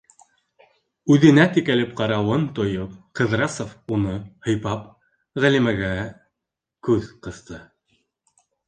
Үҙенә текәлеп ҡарауын тойоп, Ҡыҙрасов, уны һыйпап, Ғәлимәгә күҙ ҡыҫты.